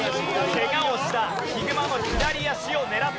ケガをしたヒグマの左脚を狙っていく！